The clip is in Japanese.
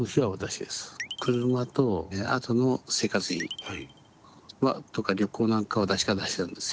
車とあとの生活費とか旅行なんかは私が出してるんですよ。